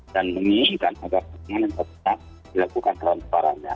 dan menginginkan agar kemanusiaan dilakukan transparannya